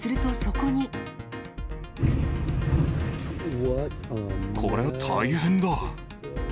これは大変だ。